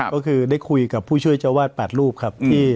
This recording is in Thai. ก็คือได้คุยกับผู้ช่วยเจ้าวาด๘รูปครับ